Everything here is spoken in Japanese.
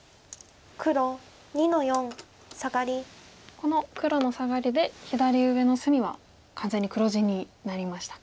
この黒のサガリで左上の隅は完全に黒地になりましたか。